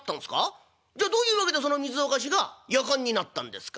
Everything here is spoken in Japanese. じゃあどういう訳でその水沸かしがやかんになったんですか？」。